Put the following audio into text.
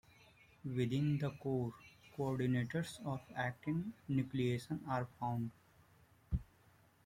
Within the core, coordinators of actin nucleation are found.